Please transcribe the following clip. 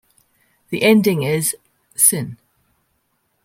The ending is "-sin".